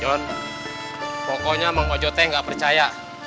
jon pokoknya emang mbak jothe gak percaya